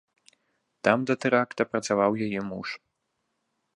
Там да тэракта працаваў яе муж.